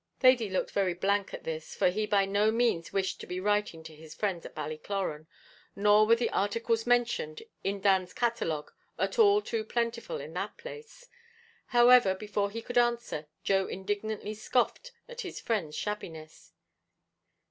Thady looked very blank at this, for he by no means wished to be writing to his friends at Ballycloran, nor were the articles mentioned in Dan's catalogue at all too plentiful in that place; however, before he could answer, Joe indignantly scoffed at his friend's shabbiness.